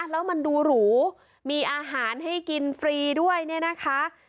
แล้วมันดูหรูมีอาหารให้กินฟรีด้วยเนี่ยนะคะ